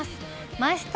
マイスタ